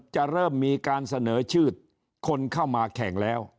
จะเริ่มมีการเสนอชื่อคนเข้ามาแข่งแล้ว